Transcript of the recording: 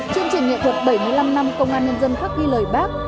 chương trình nghệ thuật bảy mươi năm năm công an nhân dân khắc ghi lời bác